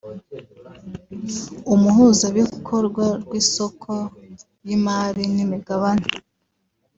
Umuhuzabikorwa w’Isoko ry’Imari n’Imigabane